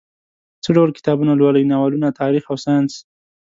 څه ډول کتابونه لولئ؟ ناولونه، تاریخ او ساینس